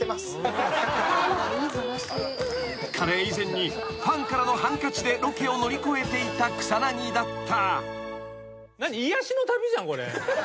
［カレー以前にファンからのハンカチでロケを乗り越えていた草薙だった］